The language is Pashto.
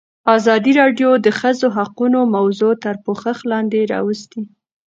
ازادي راډیو د د ښځو حقونه موضوع تر پوښښ لاندې راوستې.